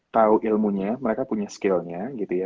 tau ilmunya mereka punya skillnya